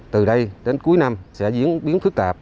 từ đây đến cuối năm sẽ diễn biến phức tạp